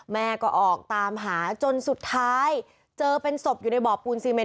แม่ก็ออกตามหาจนสุดท้ายเจอเป็นศพอยู่ในบ่อปูนซีเมน